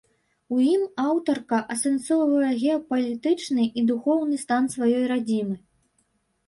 У ім аўтарка асэнсоўвае геапалітычны і духоўны стан сваёй радзімы.